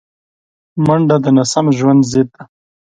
منډه د ناسم ژوند ضد ده